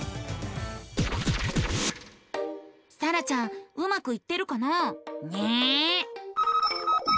さらちゃんうまくいってるかな？ね。